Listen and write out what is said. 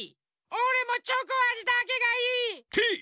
おれもチョコあじだけがいい！てい！